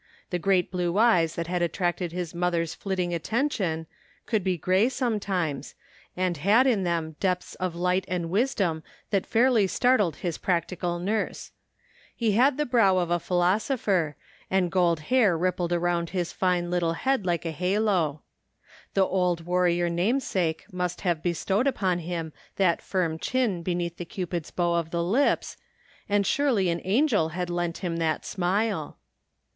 The great blue eyes thait had attracted his mother's flitting attention, could be gray sometimes, and had in them depths of light and wisdom that fairly startled his practical nurse. He had the brow of a 140 THE FINDING OF JASPER HOLT philosopher, and gold hair rippled around the fine little head like a halo. The old warrior namesake must have bestowed upon him that firm chin beneath the cupid's bow of the lips, and surely an angd had lent him that smile